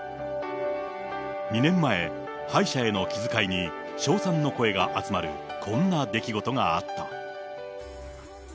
２年前、敗者への気遣いに称賛の声が集まるこんな出来事があった。